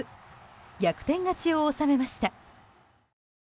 逆転勝ちを収めました。